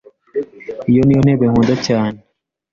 Iyo niyo ntebe nkunda cyane.